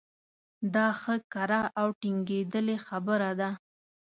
دا ښه کره او ټنګېدلې خبره ده.